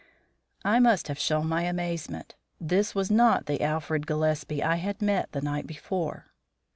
I must have shown my amazement. This was not the Alfred Gillespie I had met the night before.